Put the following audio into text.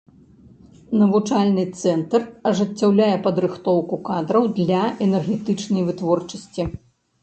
Навучальны цэнтр ажыццяўляе падрыхтоўку кадраў для энергетычнай вытворчасці.